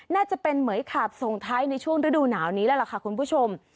น่าจะเป็นเหมือยขาบส่งท้ายในช่วงฤดูหนาวนี้แล้วล่ะค่ะคุณผู้ชม